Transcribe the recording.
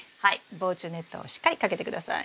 防虫ネットをしっかりかけて下さい。